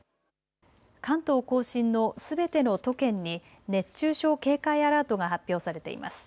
関東甲信のすべての都県に熱中症警戒アラートが発表されています。